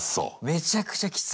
めちゃくちゃきつい。